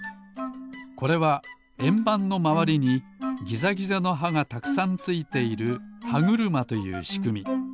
これはえんばんのまわりにギザギザの歯がたくさんついている歯車というしくみ。